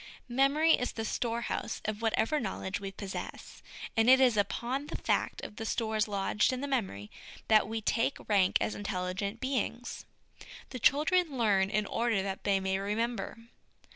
Memory is the storehouse of whatever knowledge we possess; and it is upon the fact of the stores lodged in the memory that we take rank as intelligent beings, The children learn in order that they may remem ber.